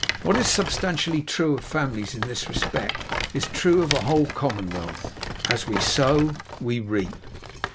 What is substantially true of families in this respect, is true of a whole commonwealth. As we sow, we reap.